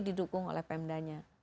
didukung oleh pemdanya